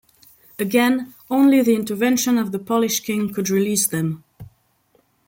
Again, only the intervention of the Polish King could released them.